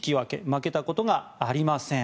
負けたことがありません。